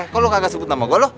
kok lo gak sebut nama gua lo